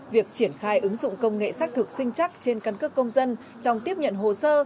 việc triển khai ứng dụng công nghệ xác thực sinh chắc trên căn cước công dân trong tiếp nhận hồ sơ